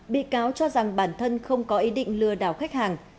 bị cáo cho rằng bản thân không có ý định lừa đảo khách hàng